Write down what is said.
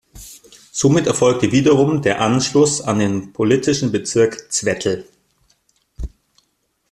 Somit erfolgte wiederum der Anschluss an den politischen Bezirk Zwettl.